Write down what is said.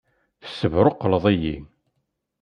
Tessebṛuqleḍ-iyi!